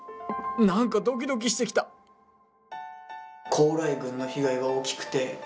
何かドキドキしてきた高麗軍の被害が大きくて撤退したんだって。